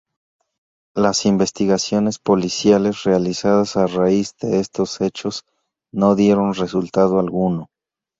Las investigaciones policiales realizadas a raíz de estos hechos no dieron resultado alguno.